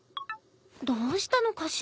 どうしたのかしら？